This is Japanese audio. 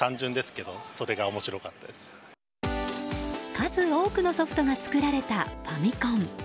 数多くのソフトが作られたファミコン。